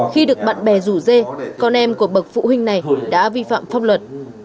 khi được bạn bè rủ dê con em của bậc phụ huynh này đã vi phạm pháp luật